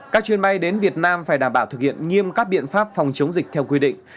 các chuyến bay đến việt nam phải đảm bảo thực hiện nghiêm các biện pháp phòng chống dịch theo quy định